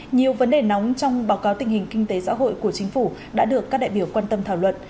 nhiều vấn đề nóng trong báo cáo tình hình kinh tế xã hội của chính phủ đã được các đại biểu quan tâm thảo luận